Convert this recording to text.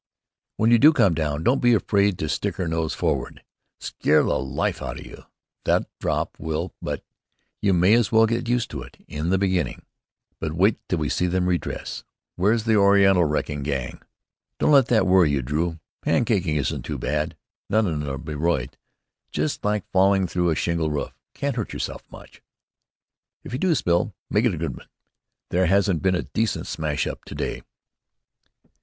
"When you do come down, don't be afraid to stick her nose forward. Scare the life out of you, that drop will, but you may as well get used to it in the beginning." "But wait till we see them redress! Where's the Oriental Wrecking Gang?" "Don't let that worry you, Drew: pan caking isn't too bad. Not in a Blériot. Just like falling through a shingle roof. Can't hurt yourself much." "If you do spill, make it a good one. There hasn't been a decent smash up to day."